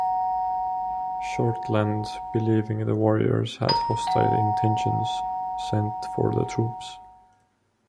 Shortland, believing the warriors had hostile intentions, sent for the troops.